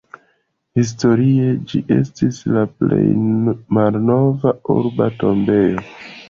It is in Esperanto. Historie ĝi estis la plej malnova urba tombejo.